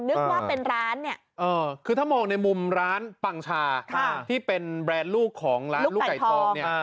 นึกว่าเป็นร้านเนี่ยคือถ้ามองในมุมร้านปังชาที่เป็นแบรนด์ลูกของร้านลูกไก่ทองเนี่ย